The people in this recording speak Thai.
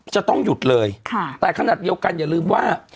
จะต้องหยุดเลยแต่ขนาดเดียวกันอย่าลืมว่า